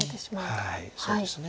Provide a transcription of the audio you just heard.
はいそうですね。